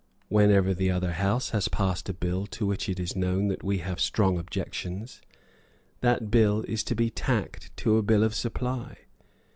Whenever the other House has passed a bill to which it is known that we have strong objections, that bill is to be tacked to a bill of supply.